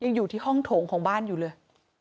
อยู่ที่ห้องโถงของบ้านอยู่เลย